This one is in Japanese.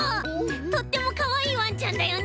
とってもかわいいワンちゃんだよね。